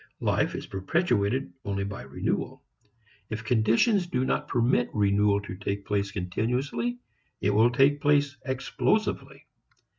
Life is perpetuated only by renewal. If conditions do not permit renewal to take place continuously it will take place explosively.